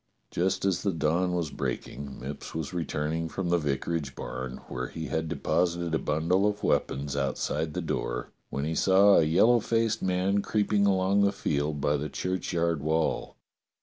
Just as the dawn was breaking Mipps was returning from the vicarage barn, where he had deposited a bundle of weapons outside the door, when he saw a yellow faced man creeping along the field by the churchyard wall.